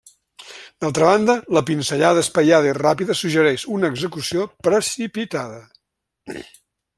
D'altra banda, la pinzellada espaiada i ràpida suggereix una execució precipitada.